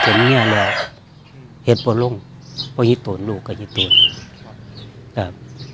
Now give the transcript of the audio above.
เห็นประโลกว่าอย่างนี้ตัวลูกก็อย่างนี้ตัว